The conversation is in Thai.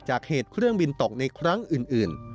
เหตุเครื่องบินตกในครั้งอื่น